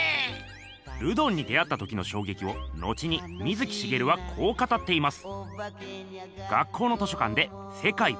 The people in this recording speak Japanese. ルドンに出会った時のしょうげきを後に水木しげるはこう語っています。